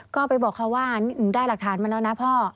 ก็ไปบอกเขาว่าหนูได้หลักฐานมาแล้วนะพ่อ